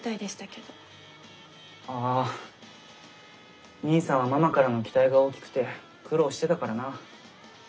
ああ兄さんはママからの期待が大きくて苦労してたからな。